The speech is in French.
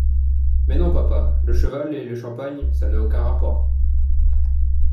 Mais non papa, le cheval et le champagne, ça n’a aucun rapport.